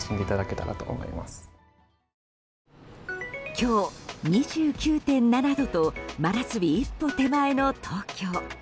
今日、２９．７度と真夏日一歩手前の東京。